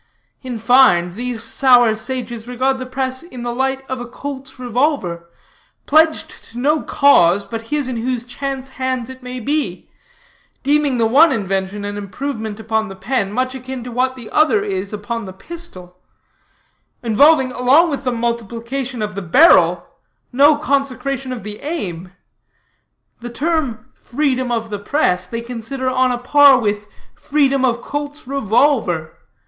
In fine, these sour sages regard the press in the light of a Colt's revolver, pledged to no cause but his in whose chance hands it may be; deeming the one invention an improvement upon the pen, much akin to what the other is upon the pistol; involving, along with the multiplication of the barrel, no consecration of the aim. The term 'freedom of the press' they consider on a par with freedom of Colt's revolver.